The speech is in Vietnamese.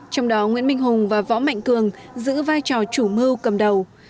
trong đó nguyễn minh hùng và võ mạnh cường giữ vai trò chủ mưu cầm đầu